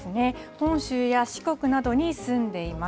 本州や四国などに住んでいます。